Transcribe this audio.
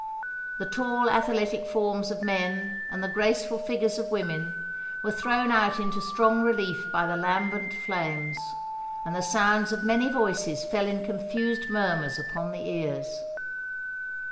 The tall athletic forms of men and the graceful figures of women, were thrown out into strong relief by the lambent flames; and the sounds of many voices fell in confused murmurs upon the ears.